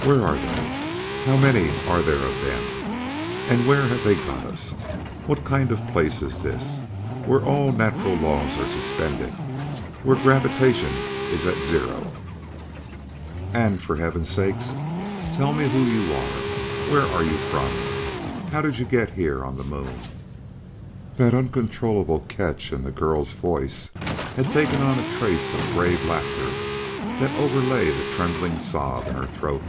Where are they? How many are there of them? And where have they got us? What kind of a place is this, where all natural laws are suspended, where gravitation is at zero? "And, for heaven's sake, tell me: who are you? Where are you from? How did you get here on the Moon?" That uncontrollable catch in the girl's voice had taken on a trace of brave laughter that overlay the trembling sob in her throat.